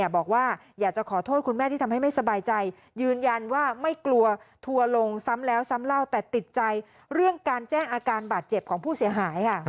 บาดเจ็บของผู้เสียหายค่ะ